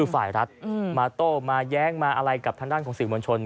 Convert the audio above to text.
ฝ่ายรัฐมาโต้มาแย้งมาอะไรกับทางด้านของสื่อมวลชน